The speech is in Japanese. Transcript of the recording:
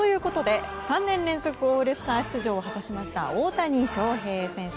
３年連続オールスター出場を果たした大谷翔平選手。